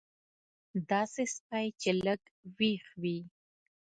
داسې سپی چې لږ وېښ وي.